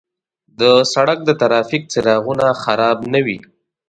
د سړک د ترافیک څراغونه خراب نه وي.